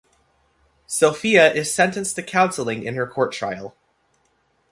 Sophia is sentenced to counselling in her court trial.